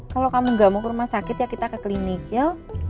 kalau kamu gak mau ke rumah sakit ya kita ke klinik ya